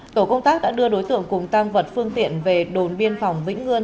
tổ công tác đã đưa đối tượng cùng tăng vật phương tiện về đồn biên phòng vĩnh ngươn